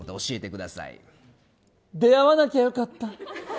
出会わなきゃよかった。